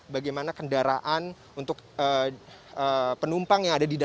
bagaimana kendaraan untuk penumpang yang ada di dalam